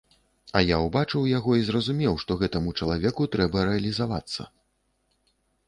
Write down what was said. А я ўбачыў яго і зразумеў, што гэтаму чалавеку трэба рэалізавацца.